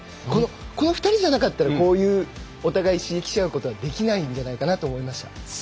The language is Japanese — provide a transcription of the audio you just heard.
この２人じゃなかったらこういうお互い刺激し合うことはできないんじゃないかなと思います。